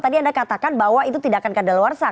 tadi anda katakan bahwa itu tidak akan keadaan luar sah